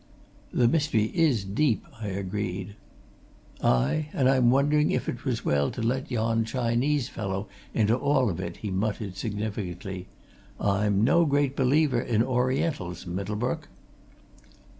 "The mystery is deep," I agreed. "Aye and I'm wondering if it was well to let yon Chinese fellow into all of it," he muttered significantly. "I'm no great believer in Orientals, Middlebrook."